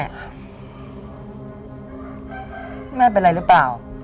คุณแม่เป็นไรรึเปล่า